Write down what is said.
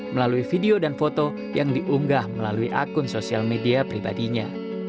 melalui video dan foto yang diunggah melalui akun sosial media pribadinya